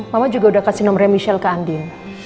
mama juga udah kasih nomernya michelle kan